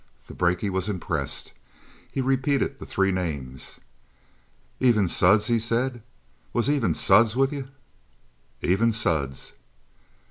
The brakie was impressed; he repeated the three names. "Even Suds?" he said. "Was even Suds with you?" "Even Suds!"